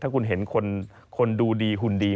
คุณเห็นคนดูดีหุ่นดี